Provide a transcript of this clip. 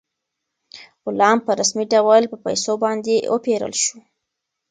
غلام په رسمي ډول په پیسو باندې وپېرل شو.